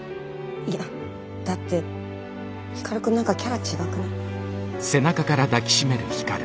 いやだって光くん何かキャラ違くない？